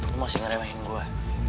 lo masih ngeremehin gue